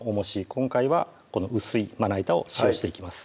今回はこの薄いまな板を使用していきます